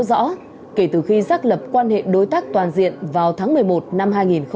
sau các lập quan hệ đối tác toàn diện vào tháng một mươi một năm hai nghìn một mươi bảy